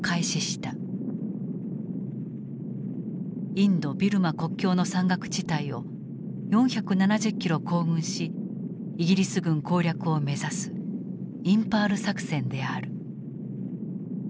インド・ビルマ国境の山岳地帯を４７０キロ行軍しイギリス軍攻略を目指すインパール作戦である。